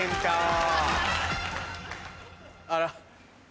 あら。